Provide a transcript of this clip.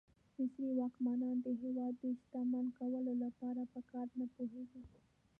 مصري واکمنان د هېواد د شتمن کولو لپاره په کار نه پوهېږي.